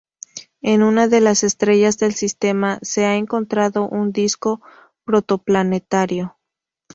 En una de las estrellas del sistema se ha encontrado un disco protoplanetario.